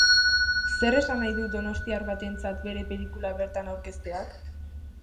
Zer esanahi du donostiar batentzat bere pelikula bertan aurkezteak?